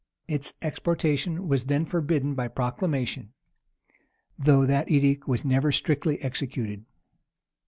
Its exportation was then forbidden by proclamation; though that edict was never strictly executed.